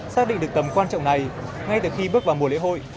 xác định được tầm quan trọng này ngay từ khi bước vào mùa lễ hội